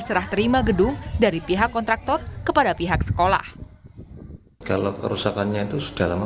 serah terima gedung dari pihak kontraktor kepada pihak sekolah kalau kerusakannya itu sudah lama